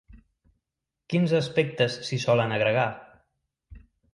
Quins aspectes s'hi solen agregar?